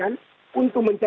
ini akan meneeee